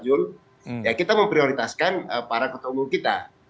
jadi kita memprioritaskan para ketua umum kita